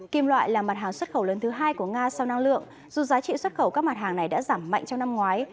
kim loại là mặt hàng xuất khẩu lớn thứ hai của nga sau năng lượng dù giá trị xuất khẩu các mặt hàng này đã giảm mạnh trong năm ngoái